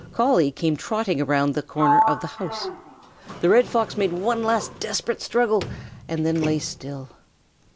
Collie came trotting around the corner of the house. The Red Fox made one last desperate struggle and then lay still.